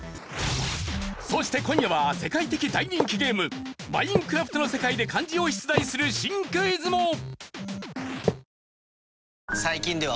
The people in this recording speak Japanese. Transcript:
そして今夜は世界的大人気ゲーム『マインクラフト』の世界で漢字を出題する新クイズも！